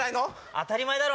当たり前だろ！